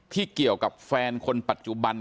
ที่เกี่ยวกับแฟนคนปัจจุบัน